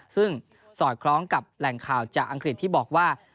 ซึ่งสอดคล้องกับแหล่งข่าวจากอังกฤษที่บอกว่า